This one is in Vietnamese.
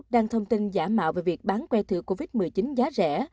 đăng thông tin giả mạo về việc bán que thửa covid một mươi chín giá rẻ